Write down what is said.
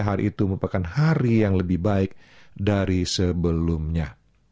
hari itu merupakan hari yang lebih baik dari sebelumnya